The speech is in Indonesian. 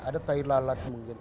ada tai lalat mungkin